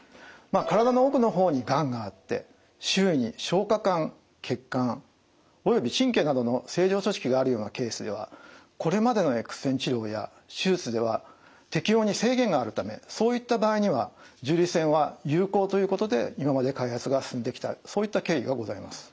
体の奥の方にがんがあって周囲に消化管血管および神経などの正常組織があるようなケースではこれまでのＸ線治療や手術では適応に制限があるためそういった場合には重粒子線は有効ということで今まで開発が進んできたそういった経緯がございます。